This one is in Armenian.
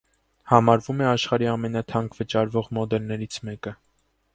Համարվում է աշխարհի ամենաթանկ վճարվող մոդելներից մեկը։